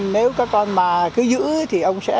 nếu các con mà cứ giữ thì ông sẽ